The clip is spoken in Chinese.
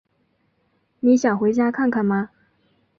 你想回家看看吗？